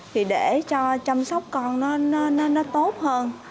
thì để cho chăm sóc con nó tốt hơn